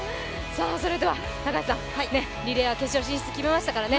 それでは、高橋さん、リレーは決勝進出決めましたからね